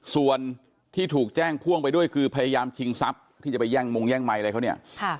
ส่วนที่ถูกแจ้งพ่วงไปด้วยคือพยายามชิงทรัพย์ที่จะไปแย่งมงแย่งไมค์อะไรเขาเนี่ย